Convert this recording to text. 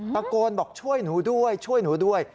ตะโกนบอกช่วยหนูด้วยช่วยหนูด้วย